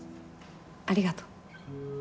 ありがとう。